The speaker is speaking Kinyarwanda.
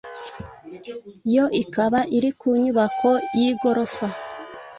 yo ikaba iri ku nyubako y’igorofa